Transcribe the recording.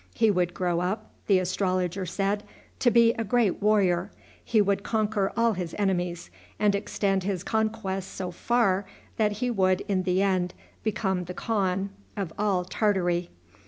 He would grow up, the astrologer said, to be a great warrior. He would conquer all his enemies, and extend his conquests so far that he would, in the end, become the Khan of all Tartary.